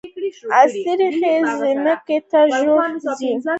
اصلي ریښه ځمکې ته ژوره ځي